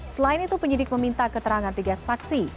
selain itu penyidik meminta keterangan tiga saksi